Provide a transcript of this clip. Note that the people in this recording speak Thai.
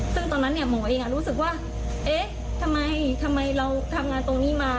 ซึ่งตอนนั้นหมอเองรู้สึกว่าเอ๊ะทำไมเราทำงานตรงนี้มา